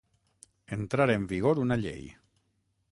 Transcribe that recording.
Entrar en vigor una llei.